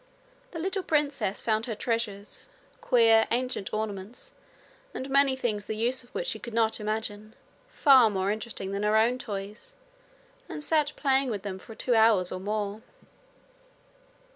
The little princess found her treasures, queer ancient ornaments, and many things the use of which she could not imagine, far more interesting than her own toys, and sat playing with them for two hours or more.